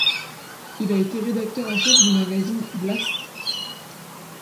Il a été rédacteur en chef du magazine Blast.